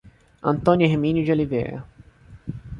Antônio Herminio de Oliveira